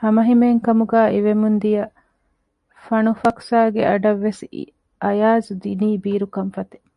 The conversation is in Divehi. ހަމަހިމޭން ކަމުގައި އިވެމުން ދިޔަ ފަނުފަކްސާގެ އަޑަށްވެސް އަޔަާޒު ދިނީ ބީރު ކަންފަތެއް